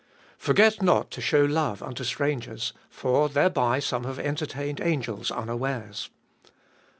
Forget not to shew love unto strangers : for thereby some have entertained angels unawares.